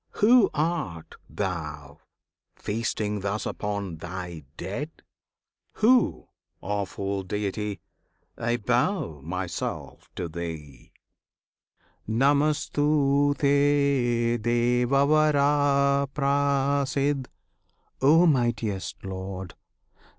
Who art Thou, feasting thus upon Thy dead? Who? awful Deity! I bow myself to Thee, Namostu Te, Devavara! Prasid![FN#23] O Mightiest Lord!